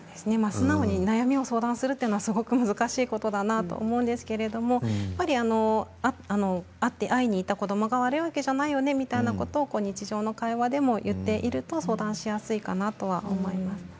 素直に悩みを相談することは難しいと思いますけれど会って会いに行った子どもが悪いわけではないよねということを日常の会話でも行っていると相談しやすいかなと思います。